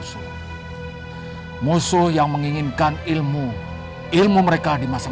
leluhur akan berjaya